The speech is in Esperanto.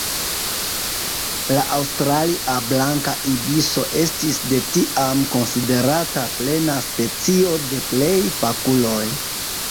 La Aŭstralia blanka ibiso estis de tiam konsiderata plena specio de plej fakuloj.